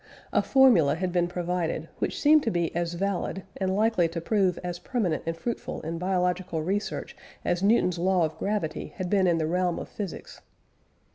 A formula had been provided, which seemed to be as valid, and likely to prove as permanent and fruitful in biological research as Newton's law of gravity had been in the realm of physics.